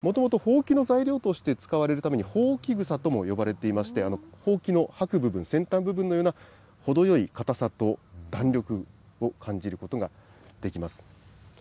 このコキア、もともとほうきの材料として使われるためにほうき草とも呼ばれていまして、ほうきのはく部分、先端部分のような程よい硬さと弾力を感じることができます。